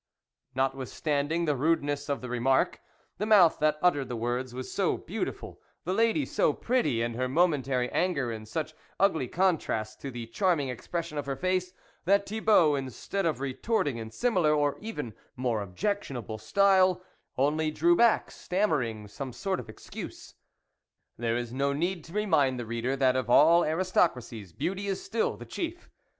" Notwithstanding the rudeness of the remark, the mouth that uttered the words was so beautiful, the lady so pretty, and her momentary anger in such ugly con trast to the charming expression of her face, that Thibault, instead of retorting in similar, or even more objectionable style, only drew back, stammering some sort of excuse. There is no need to remind the reader that of all aristocracies, beauty is still the chief.